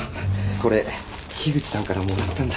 これ樋口さんからもらったんだ。